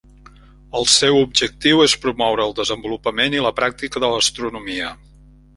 El seu objectiu és promoure el desenvolupament i la pràctica de l'astronomia.